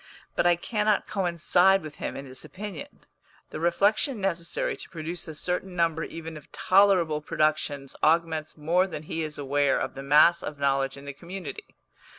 But I cannot coincide with him in this opinion. The reflection necessary to produce a certain number even of tolerable productions augments more than he is aware of the mass of knowledge in the community.